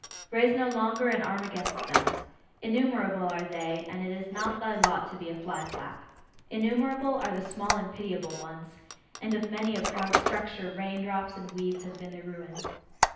Raise no longer an arm against them! Innumerable are they, and it is not thy lot to be a fly flap. Innumerable are the small and pitiable ones; and of many a proud structure, rain drops and weeds have been the ruin.